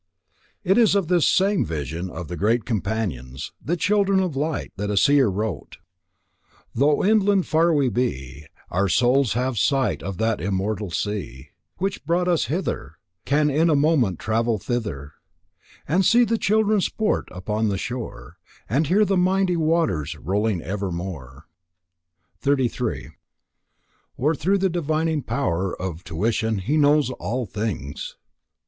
It is of this same vision of the great Companions, the children of light, that a seer wrote: "Though inland far we be, Our souls have sight of that immortal sea Which brought us hither, Can in a moment travel thither, And see the Children sport upon the shore And hear the mighty waters rolling evermore." 33. Or through the divining power of tuition he knows all things.